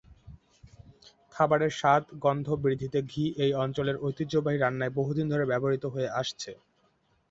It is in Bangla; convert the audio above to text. খাবারের স্বাদ- গন্ধ বৃদ্ধিতে ঘি এই অঞ্চলের ঐতিহ্যবাহী রান্নায় বহুদিন ধরে ব্যবহৃত হয়ে আসছে।